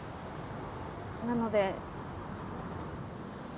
なので。